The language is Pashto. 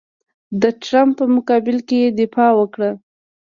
د ټرمپ په مقابل کې یې دفاع وکړه.